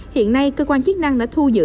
hiện nay cơ quan chức năng đã thu giữ